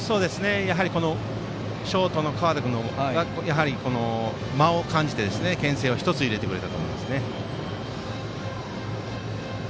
やはり、ショートの河田君やはり間を感じてけん制を１つ入れてくれましたね。